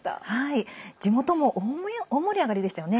地元も大盛り上がりでしたよね。